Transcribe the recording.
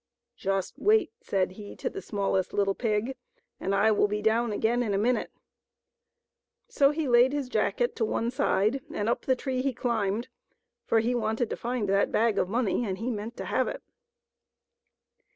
"Just wait," said he to the smallest little pig, "and I will be down again in a minute." So he laid his jacket to one side and up the tree he climbed, for he wanted to find that bag of money, and he meant to have it.